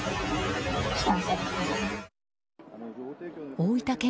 大分県